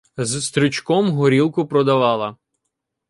З стрючком горілку продавала